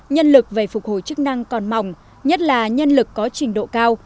nhân lực về phục hồi chức năng còn mỏng nhất là nhân lực có trình độ cao